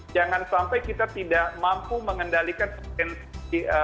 jangan sampai kita tidak mampu mengendalikan potensi